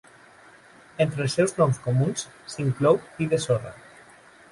Entre els seus noms comuns s'inclou "pi de sorra".